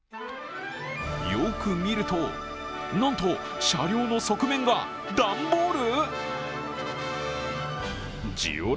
よく見るとなんと車両の側面が段ボール？